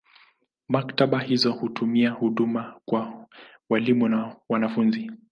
Maktaba hizi hutoa huduma kwa walimu na wanafunzi.